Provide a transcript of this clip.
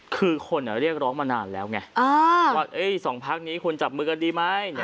คือคนเรียกร้องมานานแล้วไงว่า๒พักนี้คุณจับมือกันดีไหม